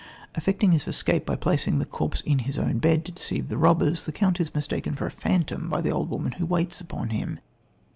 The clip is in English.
Effecting his escape by placing the corpse in his own bed to deceive the robbers, the count is mistaken for a phantom by the old woman who waits upon him.